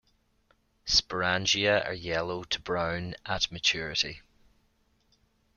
Sporangia are yellow to brown at maturity.